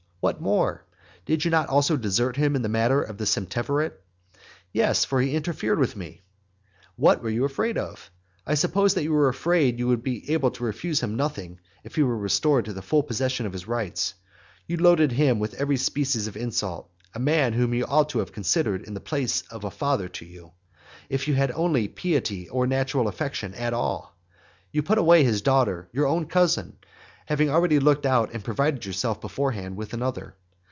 What more? Did you not also desert him in the matter of the septemvirate? "Yes, for he interfered with me." What were you afraid of? I suppose you were afraid that you would be able to refuse him nothing if he were restored to the full possession of his rights. You loaded him with every species of insult, a man whom you ought to have considered in the place of a father to you, if you had had any piety or natural affection at all. You put away his daughter, your own cousin, having already looked out and provided yourself beforehand with another.